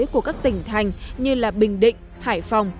của các tỉnh thành như bình định hải phòng